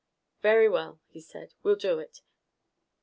"Very well," he said. "We'll do it.